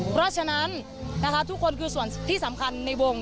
เพราะฉะนั้นนะคะทุกคนคือส่วนที่สำคัญในวง